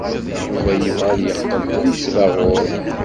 Yuba yebɣa ad yeqqel d anesbaɣur.